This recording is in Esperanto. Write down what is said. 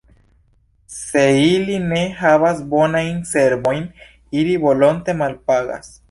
Se ili ne havas bonajn servojn, ili volonte malpagas.